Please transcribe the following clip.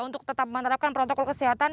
untuk tetap menerapkan protokol kesehatan